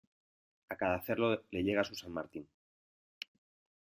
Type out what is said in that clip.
A cada cerdo le llega su San Martín.